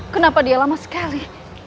kenapa dia lama sekali